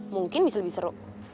mungkin bisa lebih seru